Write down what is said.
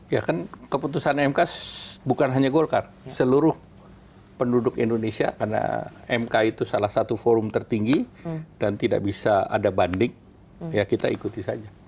ya kan keputusan mk bukan hanya golkar seluruh penduduk indonesia karena mk itu salah satu forum tertinggi dan tidak bisa ada banding ya kita ikuti saja